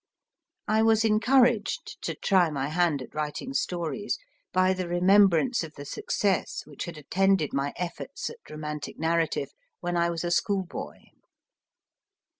I was encouraged to try my hand at writing stories by the remem brance of the success which had attended my efforts at romantic narrative when I was a school boy.